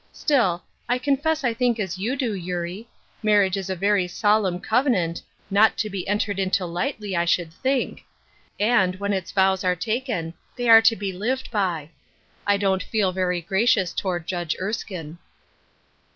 Stilly I confess I think as you do, Eurie. Marriage is a very solemn covenant — not to be entered into lightly, I should think ; and, when its vows are taken, they are to be lived by. I don't feel ver^ gracious toward Judge Erskine."